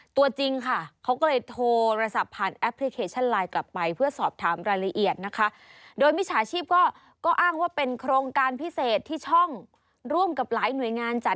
ฟังเสียงของผู้เสียหายกันค่ะ